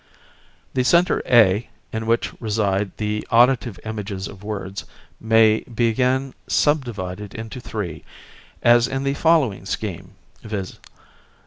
The centre A in which reside the auditive images of words may be again subdivided into three, as in the following scheme, viz.